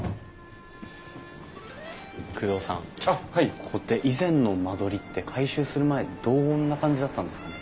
ここって以前の間取りって改修する前どんな感じだったんですかね？